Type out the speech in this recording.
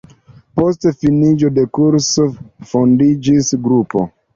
Post finiĝo de kurso fondiĝis grupo.